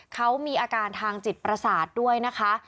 เขามีอาการทางจิตประสาทด้วยนะคะ